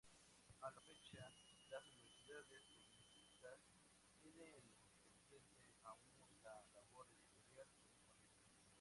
A la fecha las Universidades públicas tienen pendiente aún la labor editorial correspondiente.